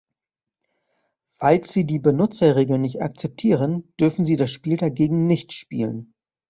Falls Sie die Benutzerregeln nicht akzeptieren, dürfen Sie das Spiel dagegen nicht spielen.